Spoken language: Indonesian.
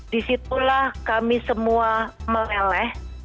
disitulah kami semua meleleh